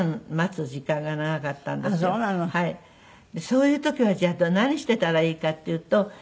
そういう時はじゃああとは何していたらいいかっていうと。